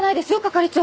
係長！